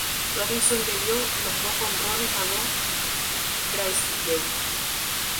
Robinson le dio los dos jonrones a Don Drysdale.